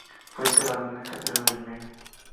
Fue enterrado en la Catedral de Almería.